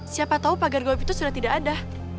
siapa tahu pagar golf itu sudah tidak ada